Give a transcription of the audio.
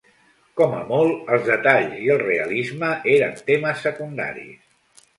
Com a molt, els detalls i el realisme eren temes secundaris.